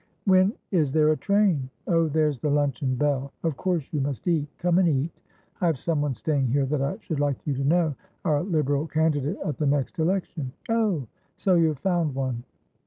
"When is there a train? Oh, there's the luncheon bell. Of course you must eat. Come and eat. I have some one staying here that I should like you to knowour Liberal candidate at the next election." "Oh, so you have found one?"